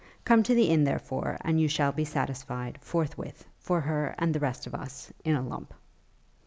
Come to the inn, therefore, and you shall be satisfied, forthwith, for her and the rest of us, in a lump.'